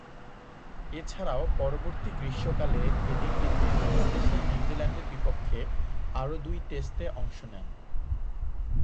এছাড়াও, পরবর্তী গ্রীষ্মকালে হেডিংলিতে নিজ দেশে নিউজিল্যান্ডের বিপক্ষে আরও দুই টেস্টে অংশ নেন।